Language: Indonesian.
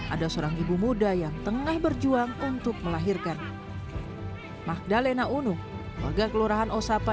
ada seorang ibu muda yang tengah berjuang untuk melahirkan mahdalena unu warga kelurahan osapa